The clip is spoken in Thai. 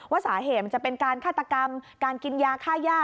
สาเหตุมันจะเป็นการฆาตกรรมการกินยาฆ่าย่า